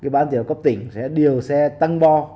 ban chỉ đạo cấp tỉnh sẽ điều xe tăng bo